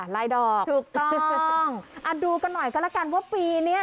ลายดอกถูกต้องถูกต้องดูกันหน่อยก็แล้วกันว่าปีเนี้ย